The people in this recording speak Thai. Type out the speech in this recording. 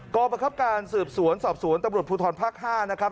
ประคับการสืบสวนสอบสวนตำรวจภูทรภาค๕นะครับ